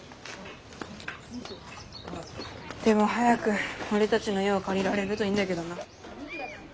でも早く俺たちの家を借りられるといいんだけどな。